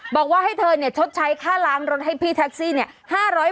บอกว่าให้เธอชดใช้ค่าล้างรถให้พี่แท็กซี่เนี่ย